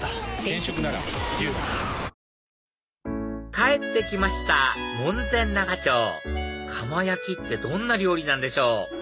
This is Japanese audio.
帰って来ました門前仲町釜焼ってどんな料理なんでしょう？